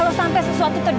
kalo sampe sesuatu terjadi